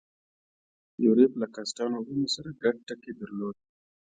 یوریب له کاسټانو وروڼو سره ګډ ټکی درلود.